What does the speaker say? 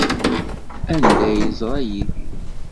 Anda ay yeẓra Yidir?